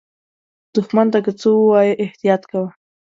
دښمن ته که څه ووایې، احتیاط کوه